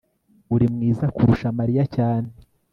uri mwiza kurusha mariya cyane